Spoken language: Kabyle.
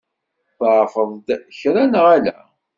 Tḍeεfeḍ-d kra, neɣ ala?